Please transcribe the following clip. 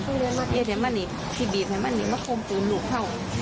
ที่เห็นให้มันหนีที่บีบให้มันหนีมาโคมฟื้นลูกเข้า